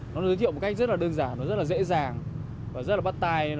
nó giới thiệu một cách rất là đơn giản nó rất là dễ dàng và rất là bắt tay